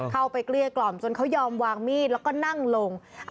เกลี้ยกล่อมจนเขายอมวางมีดแล้วก็นั่งลง